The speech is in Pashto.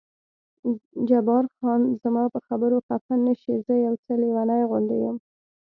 جبار خان: زما په خبرو خفه نه شې، زه یو څه لېونی غوندې یم.